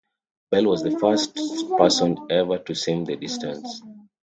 Bell was the first person ever to swim the distance.